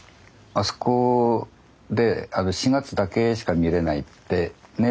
あそこで４月だけしか見れないってね